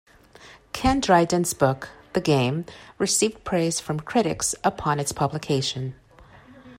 Ken Dryden's book "The Game" received praise from critics upon its publication.